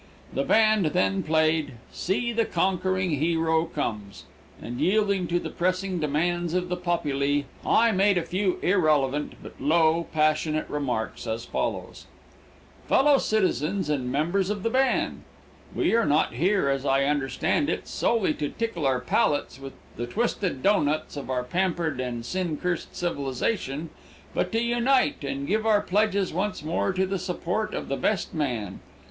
The band then played, "See the Conquering Hero Comes," and yielding to the pressing demands of the populi, I made a few irrelevant, but low, passionate remarks, as follows: "FELLOW CITIZENS AND MEMBERS OF THE BAND We are not here, as I understand it, solely to tickle our palates with the twisted doughnuts of our pampered and sin cursed civilization, but to unite and give our pledges once more to the support of the best men.